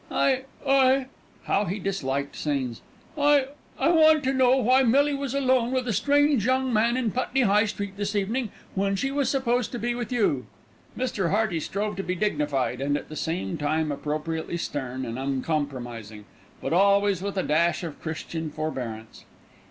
"I I " How he disliked scenes! "I I want to know why Millie was alone with a strange young man in Putney High Street this evening, when she was supposed to be with you?" Mr. Hearty strove to be dignified and at the same time appropriately stern and uncompromising; but always with a dash of Christian forbearance.